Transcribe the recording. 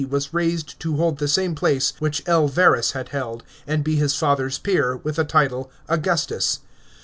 was raised to\ hold the same place which L. Verus had held, and be his father's peer, with the title Augustus.